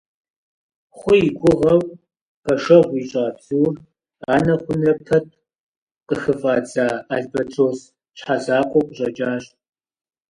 Хъу и гугъэу пэшэгъу ищӀа бзур, анэ хъунрэ пэт, къыхыфӀадза албэтрос щхьэзакъуэу къыщӀэкӀащ.